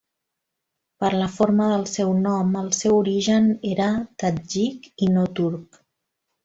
Per la forma del seu nom el seu origen era tadjik i no turc.